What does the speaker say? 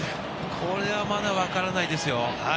これはまだ分からないですよ。